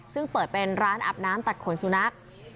ซึ่งเปิดเป็นร้านอาบน้ำตัดขนสุนัข